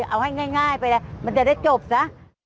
เอาให้ง่ายไปแล้วมันจะได้จบซะ